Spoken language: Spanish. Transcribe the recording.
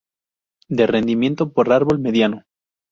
De rendimiento por árbol mediano.